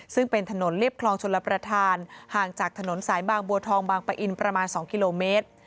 ซึ่งเป็นถนนเรียบคลองชลประธานห่างจากถนนสายบางบัวทองบางปะอินประมาณ๒กิโลเมตร